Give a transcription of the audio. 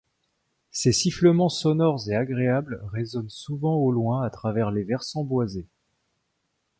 Ces sifflements sonores et agréables résonnent souvent au loin à travers les versants boisés.